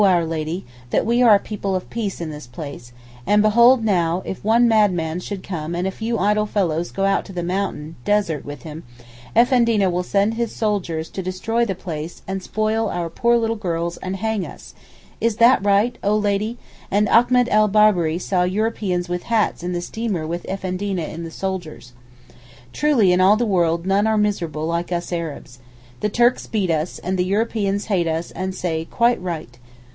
our Lady, that we are people of peace in this place, and behold now if one madman should come and a few idle fellows go out to the mountain (desert) with him, Effendina will send his soldiers to destroy the place and spoil our poor little girls and hang us—is that right, oh Lady and Achmet el Berberi saw Europeans with hats in the steamer with Effendina and the soldiers. Truly in all the world none are miserable like us Arabs. The Turks beat us, and the Europeans hate us and say quite right.